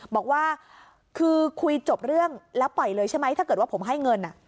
บอกว่าคือคุยจบเรื่องแล้วปล่อยเลยใช่ไหมถ้าเกิดว่าผมให้เงิน